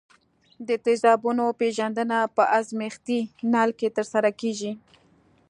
د تیزابونو پیژندنه په ازمیښتي نل کې ترسره کیږي.